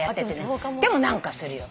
でも何かするよ。